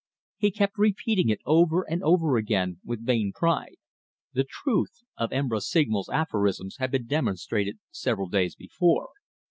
He kept repeating it over and over again with vain pride. The truth of M. Rossignol's aphorisms had been demonstrated several days before.